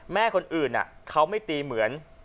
แม่คนอื่นเขาไม่ตีเหมือน